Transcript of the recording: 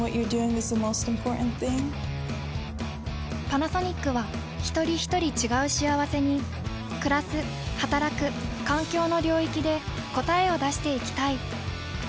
パナソニックはひとりひとり違う幸せにくらすはたらく環境の領域で答えを出していきたい。